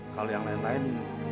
kalau yang lain lain